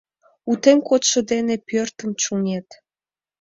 — Утен кодшо дене пӧртым чоҥет!